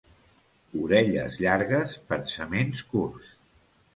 Orelles llargues, pensaments curts.